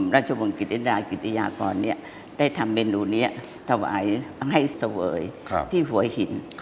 ราชวงศิษฐากิติยากรได้ทำเมนูนี้ถวายให้เสวยที่หัวหิน